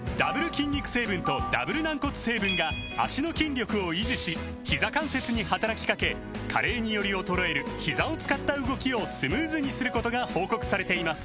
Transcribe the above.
筋肉成分とダブル軟骨成分が脚の筋力を維持しひざ関節に働きかけ加齢により衰えるひざを使った動きをスムーズにすることが報告されています